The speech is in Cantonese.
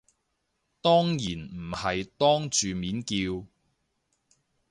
當然唔係當住面叫